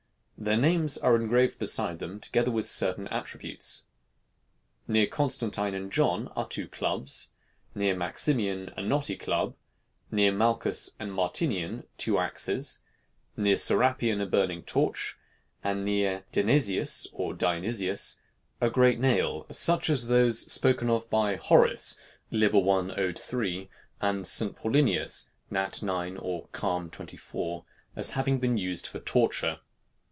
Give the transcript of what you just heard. Their names are engraved beside them, together with certain attributes. Near Constantine and John are two clubs, near Maximian a knotty club, near Malchus and Martinian two axes, near Serapion a burning torch, and near Danesius or Dionysius a great nail, such as those spoken of by Horace (Lib. 1, Od. 3) and St. Paulinus (Nat. 9, or Carm. 24) as having been used for torture.